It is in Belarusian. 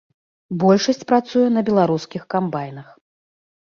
Большасць працуе на беларускіх камбайнах.